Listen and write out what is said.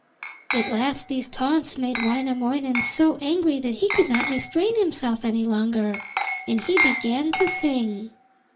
At last these taunts made Wainamoinen so angry that he could not restrain himself any longer, and he began to sing.